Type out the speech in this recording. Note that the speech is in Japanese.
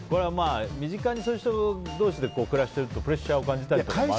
身近にそういう人同士で暮らしてるとプレッシャーを感じたりとかあるんですか。